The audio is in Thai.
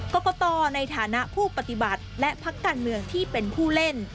กรกตในฐานะผู้ปฏิบัติและพักการเมืองที่เป็นผู้เล่น